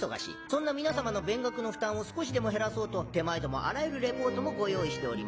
そんな皆さまの勉学の負担を少しでも減らそうと手前どもあらゆるリポートもご用意しております。